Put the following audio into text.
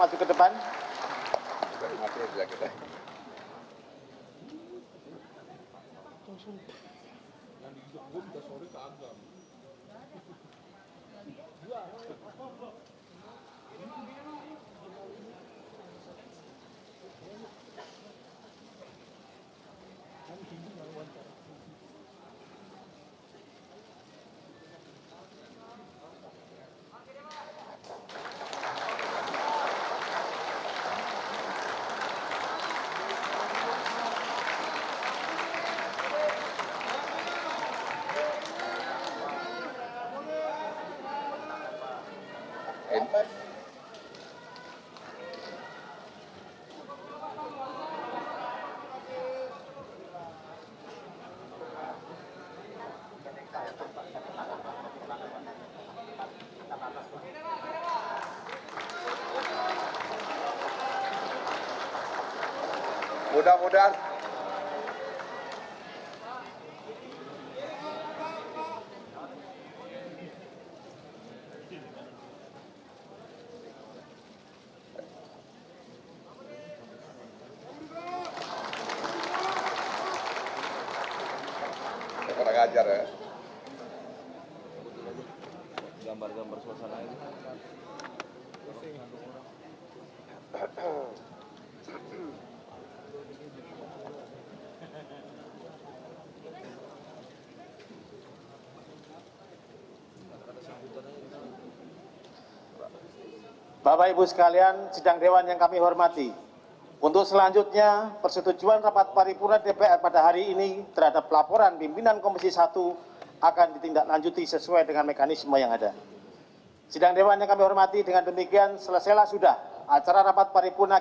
untuk kami persilakan masuk ke depan